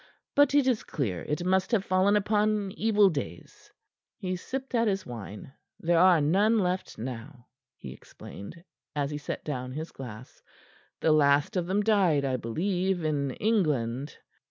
But it is clear it must have fallen upon evil days." He sipped at his wine. "There are none left now," he explained, as he set down his glass. "The last of them died, I believe, in England."